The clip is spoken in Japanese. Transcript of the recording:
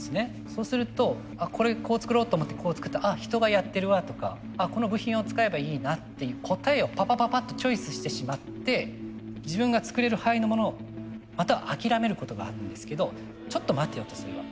そうすると「これこう作ろう」と思ってこう作った「あ人がやってるわ」とか「この部品を使えばいいな」っていう答えをパパパパッとチョイスしてしまって自分が作れる範囲のものをまたは諦めることがあるんですけどちょっと待てよとそれは。